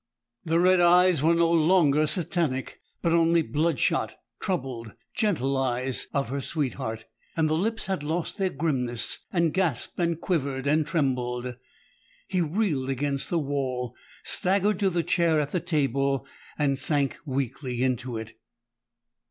The red eyes were no longer Satanic, but only the blood shot, troubled, gentle eyes of her sweetheart, and the lips had lost their grimness, and gasped and quivered and trembled. He reeled against the wall, staggered to the chair at the table, and sank weakly into it.